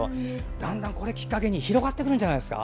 だんだんこれをきっかけに広がるんじゃないですか？